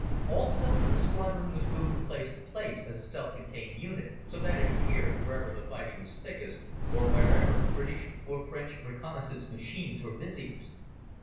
Also, the squadron was moved from place to place as a self contained unit, so that it appeared wherever the fighting was thickest, or wherever British or French reconnaissance machines were busiest.